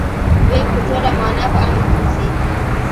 دوی په ټوله مانا په امن کې اوسي.